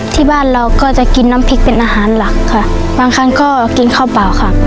ที่บ้านเราก็จะกินน้ำพริกเป็นอาหารหลักค่ะบางครั้งก็กินข้าวเปล่าค่ะ